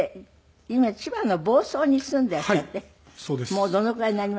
もうどのぐらいになります？